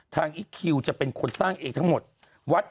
อีคคิวจะเป็นคนสร้างเองทั้งหมด